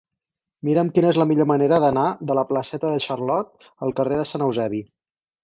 Mira'm quina és la millor manera d'anar de la placeta de Charlot al carrer de Sant Eusebi.